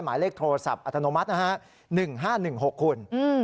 หมายเลขโทรศัพท์อัตโนมัตินะฮะ๑๕๑๖คุณ